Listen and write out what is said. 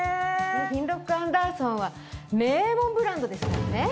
キンロックアンダーソンは名門ブランドですからね。